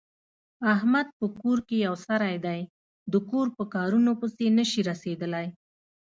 احمد په کور کې یو سری دی، د کور په کارنو پسې نشي رسېدلی.